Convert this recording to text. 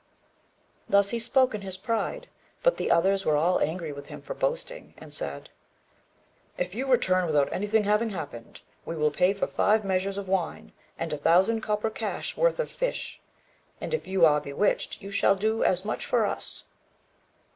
"Thus he spoke in his pride; but the others were all angry with him for boasting, and said "If you return without anything having happened, we will pay for five measures of wine and a thousand copper cash worth of fish; and if you are bewitched, you shall do as much for us."